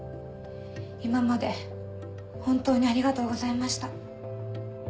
今まで本当にありがとうございました。